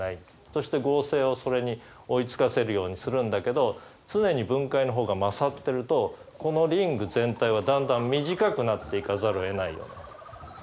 そして合成をそれに追いつかせるようにするんだけど常に分解の方が勝ってるとこのリング全体はだんだん短くなっていかざるをえないよね。